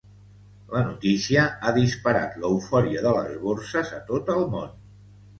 La notícia ha disparat l’eufòria de les borses a tot el món.